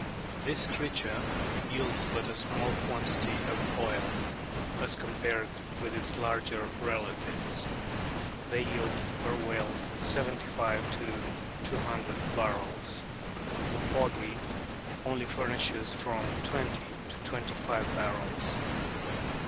This creature yields but a small quantity of oil as compared with its larger relatives. They yield per whale from seventy five to two hundred barrels ; the " Poggy " only furnishes from twenty to twenty five barrels.